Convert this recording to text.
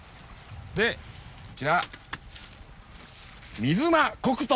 でこちら水間黒糖。